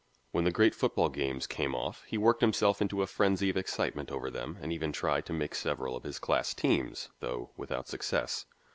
When the great football games came off he worked himself into a frenzy of excitement over them and even tried to make several of his class teams, though without success.